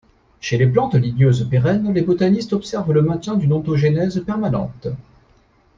Chez les plantes ligneuses pérennes, les botanistes observent le maintien d'une ontogenèse permanente.